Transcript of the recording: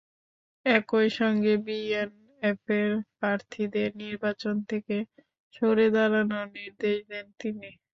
একই সঙ্গে বিএনএফের প্রার্থীদের নির্বাচন থেকে সরে দাঁড়ানোর নির্দেশ দেন তিনি।